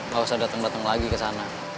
gak usah dateng dateng lagi kesana